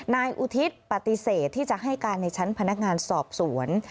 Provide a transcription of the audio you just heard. นายอุทิศปฏิเสธที่จะให้การในชั้นพนักงานสอบสวน